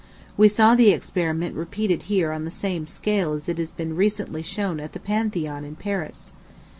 We saw the experiment repeated here on the same scale as it has recently been shown at the Pantheon at Paris.